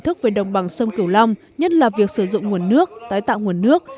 thức về đồng bằng sông cửu long nhất là việc sử dụng nguồn nước tái tạo nguồn nước